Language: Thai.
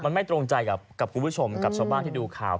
มันไม่ตรงใจกับคุณผู้ชมกับชาวบ้านที่ดูข่าว